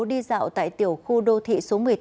đi dạo tại tiểu khu đô thị số một mươi tám